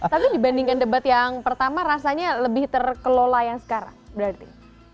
tapi dibandingkan debat yang pertama rasanya lebih terkelola yang sekarang berarti